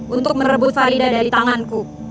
untuk merebut farida dari tanganku